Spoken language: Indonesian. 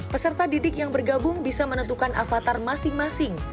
peserta didik yang bergabung bisa menentukan avatar masing masing